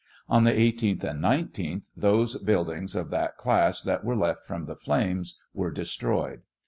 On the 18th and 19th those buildings of that class that were left from the flames wei e destroyed.